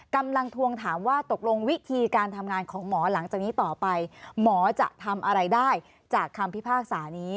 กำลังทวงถามว่าตกลงวิธีการทำงานของหมอหลังจากนี้ต่อไปหมอจะทำอะไรได้จากคำพิพากษานี้